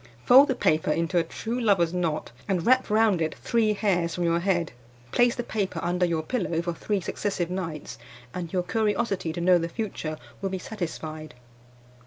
Fold the paper into a true lover's knot, and wrap round it three hairs from your head. Place the paper under your pillow for three successive nights, and your curiosity to know the future will be satisfied.